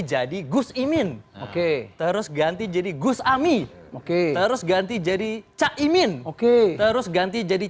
jadi gus imin oke terus ganti jadi gus ami oke terus ganti jadi cahaya imin oke terus ganti jadi